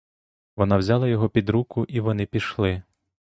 Вона взяла його під руку, і вони пішли.